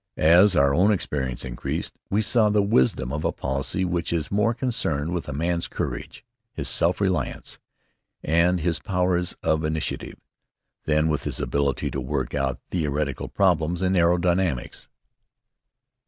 As our own experience increased, we saw the wisdom of a policy which is more concerned with a man's courage, his self reliance, and his powers of initiative, than with his ability to work out theoretical problems in aerodynamics.